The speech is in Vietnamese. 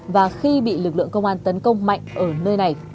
và khi bị lực lượng công an tấn công mạnh ở nơi này